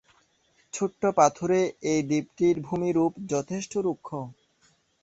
ছোট্ট পাথুরে এই দ্বীপটির ভূমিরূপ যথেষ্ট রুক্ষ।